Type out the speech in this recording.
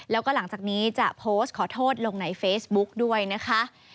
แล้วก็หลังจากนี้จะโพสต์ขอโทษลงในเฟซบุ๊กด้วยนะคะ